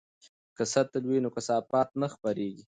که سطل وي نو کثافات نه خپریږي.